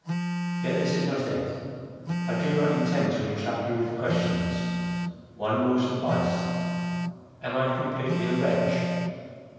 Yet this is not it—I do not intend to entrap you with questions—one will suffice—am I completely a wretch?"